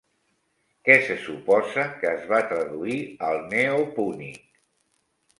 Què se suposa que es va traduir al neopúnic?